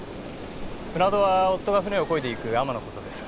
舟人は夫が舟をこいでいく海女のことです。